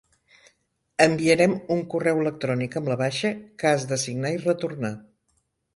Enviarem un correu electrònic amb la baixa, que has de signar i retornar.